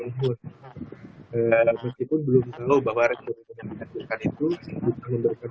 umur meskipun belum tahu bahwa respon imun yang dihasilkan itu bisa memberikan